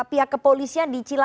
dari pihak kepolisian di cilacan mbak